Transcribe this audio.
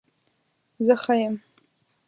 زه ښه یم